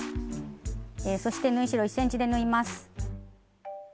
そして縫い代１ｃｍで縫います。